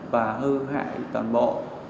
và hư hại toàn bộ